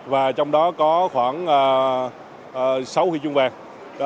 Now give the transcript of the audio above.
và trong đó có khoảng sáu huy chương bạc